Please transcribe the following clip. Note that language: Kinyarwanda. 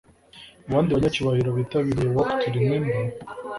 Mu bandi banyacyubahiro bitabiriye Walk To Remember